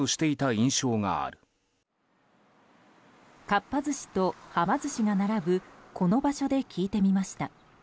かっぱ寿司とはま寿司が並ぶこの場所で聞いてみました。